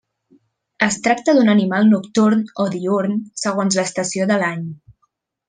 Es tracta d'un animal nocturn o diürn segons l'estació de l'any.